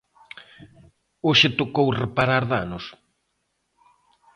Hoxe tocou reparar danos.